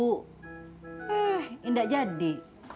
eh indah jadi